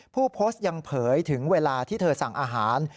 ผู้โพสต์ยังเผยถึงเวลาที่เธอสั่งอาหาร